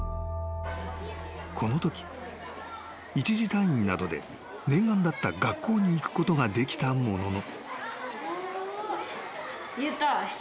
［このとき一時退院などで念願だった学校に行くことができたものの］